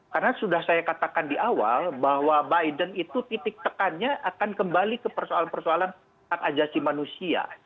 karena sudah saya katakan di awal bahwa biden itu titik tekannya akan kembali ke persoalan persoalan hak ajasi manusia